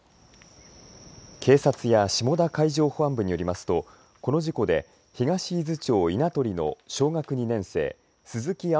警察や下田海上保安部によりますとこの事故で東伊豆町稲取の小学２年生鈴木葵